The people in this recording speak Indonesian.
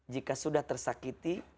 jika sudah tersakiti